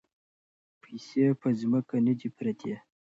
پیسې په ځمکه نه دي پرتې.